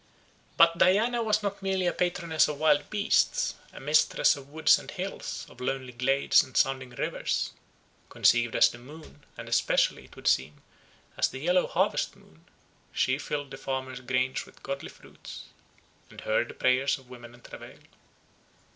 But Diana was not merely a patroness of wild beasts, a mistress of woods and hills, of lonely glades and sounding rivers; conceived as the moon, and especially, it would seem, as the yellow harvest moon, she filled the farmer's grange with goodly fruits, and heard the prayers of women in travail.